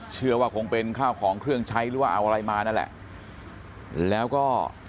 เชื่อว่าคงเป็นข้าวของเครื่องใช้หรือว่าเอาอะไรมานั่นแหละแล้วก็